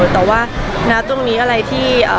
แต่ว่าณตรงนี้อะไรที่